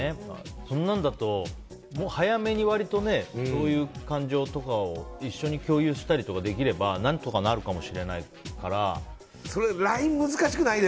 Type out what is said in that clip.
そんなんだと早めに割とそういう感情とかを一緒に共有したりとかできればラインが難しくない？